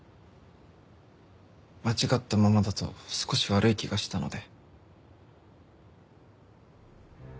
間違ったままだと少し悪い気がしたので。